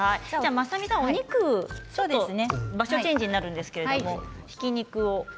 まさみさん、お肉場所、チェンジになるんですけれども、ひき肉を。